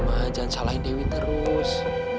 sama jangan salahin dewi terus